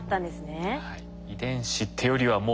はい。